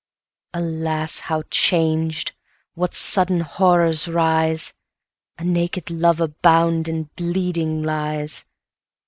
Alas, how changed! what sudden horrors rise! A naked lover bound and bleeding lies!